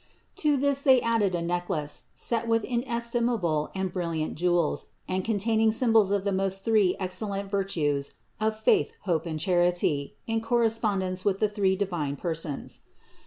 To this they added a necklace, set with in estimable and brilliant jewels and containing symbols of the three most excellent virtues of faith, hope and charity in correspondence with the three divine Persons.